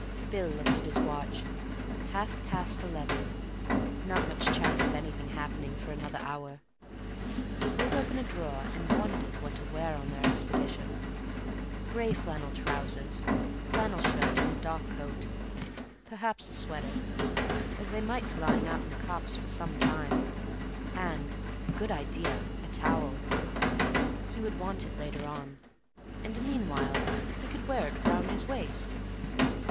Bill looked at his watch. Half past eleven. Not much chance of anything happening for another hour. He pulled open a drawer and wondered what to wear on their expedition. Grey flannel trousers, flannel shirt, and a dark coat; perhaps a sweater, as they might be lying out in the copse for some time. And—good idea—a towel. He would want it later on, and meanwhile he could wear it round his waist.